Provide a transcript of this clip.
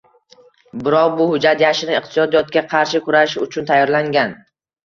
Biroq, bu hujjat yashirin iqtisodiyotga qarshi kurashish uchun tayyorlangan